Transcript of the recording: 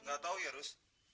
gak tahu ya rus